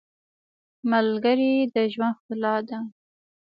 • ملګری د ژوند ښکلا ده.